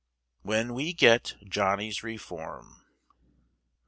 WHEN WE GET JOHNNY'S REFORM.